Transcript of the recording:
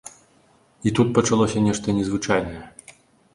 І тут пачалося нешта незвычайнае.